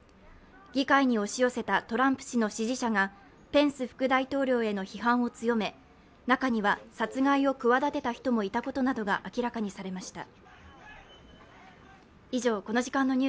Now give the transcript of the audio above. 議会に押し寄せたトランプ氏の支持者がペンス副大統領への批判を強め中には殺害を企てた人もいたことなどが明らかにされました。